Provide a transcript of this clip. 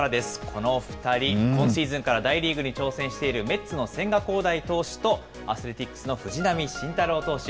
この２人、今シーズンから大リーグに挑戦しているメッツの千賀滉大投手とアスレティックスの藤浪晋太郎投手。